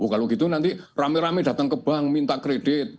kalau gitu nanti rame rame datang ke bank minta kredit